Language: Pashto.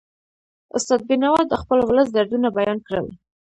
استاد بینوا د خپل ولس دردونه بیان کړل.